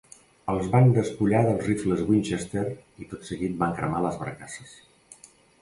Els van despullar dels rifles Winchester i tot seguit van cremar les barcasses.